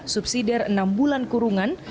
subsidiar enam bulan kurungan